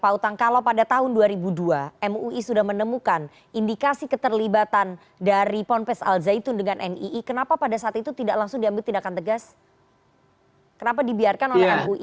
pak utang kalau pada tahun dua ribu dua mui sudah menemukan indikasi keterlibatan dari ponpes al zaitun dengan nii kenapa pada saat itu tidak langsung diambil tindakan tegas kenapa dibiarkan oleh mui